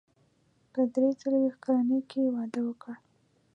په درې څلوېښت کلنۍ کې يې واده وکړ.